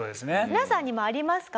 皆さんにもありますか？